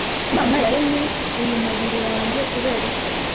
Imana Yaremye uyu mubiri wanjye Kubera iki